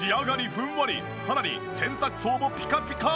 フンワリさらに洗濯槽もピカピカ！